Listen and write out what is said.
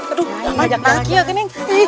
aduh lama lagi ya kening